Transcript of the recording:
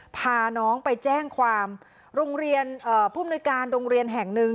พาน้องไปแจ้งความภูมิการดรงเรียนแห่งนึง